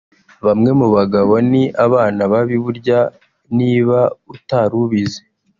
Bamwe mu bagabo ni abana babi burya niba utarubizi